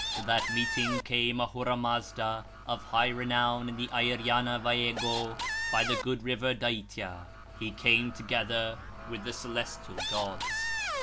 To that meeting came Ahura Mazda, of high renown in the Airyana Vaêgô, by the good river Dâitya; he came together with the celestial gods.